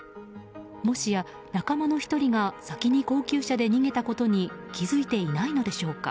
もしや仲間の１人が先に高級車を取りに逃げたことに気づいていないのでしょうか。